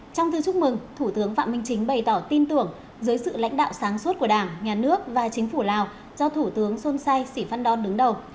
trong thư chúc mừng thủ tướng phạm minh chính bày tỏ tin tưởng dưới sự lãnh đạo sáng suốt của đảng nhà nước và chính phủ lào do thủ tướng son sai sĩ phan đon đứng đầu